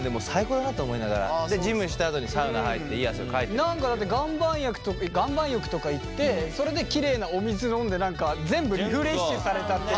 何かだって岩盤浴とか行ってそれできれいなお水飲んで全部リフレッシュされたっていう。